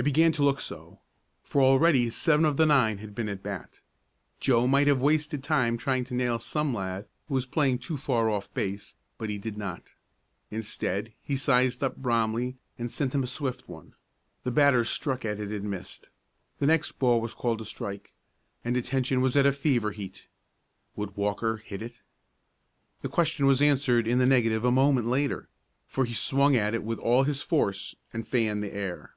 It began to look so, for already seven of the nine had been at bat. Joe might have wasted time trying to nail some lad who was playing too far off base, but he did not. Instead he sized up Bromley and sent him a swift one. The batter struck at it and missed. The next ball was called a strike, and attention was at fever heat. Would Walker hit it? The question was answered in the negative a moment later, for he swung at it with all his force and fanned the air.